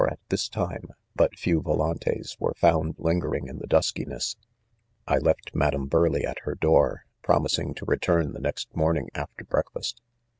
at this time, but few vo~ lantes weve found lingering in the duskiness, I left Madam Burleigh at her door, promising to return the next morning after breakfast.